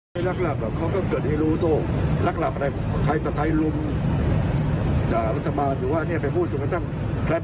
สิ่งที่อันตรายที่จะได้เก่งกว่าโควิด๑๙มันต้องทำได้